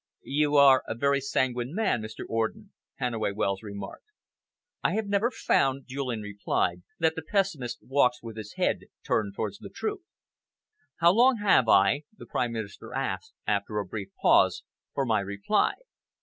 "You are a very sanguine man, Mr. Orden," Hannaway Wells remarked. "I have never found," Julian replied, "that the pessimist walks with his head turned towards the truth." "How long have I," the Prime Minister asked, after a brief pause, "for my reply?"